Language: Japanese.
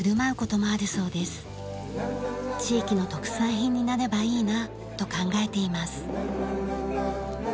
地域の特産品になればいいなと考えています。